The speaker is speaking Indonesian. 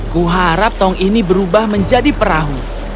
kuharap tong ini berubah menjadi perahu